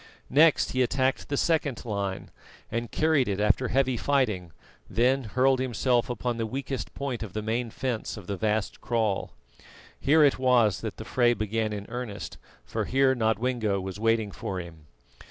Next he attacked the second line, and carried it after heavy fighting, then hurled himself upon the weakest point of the main fence of the vast kraal. Here it was that the fray began in earnest, for here Nodwengo was waiting for him.